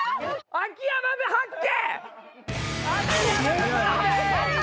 秋山発見。